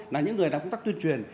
là những người làm công tác tuyên truyền